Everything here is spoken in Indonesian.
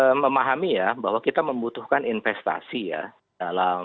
kita memahami ya bahwa kita membutuhkan investasi ya dalam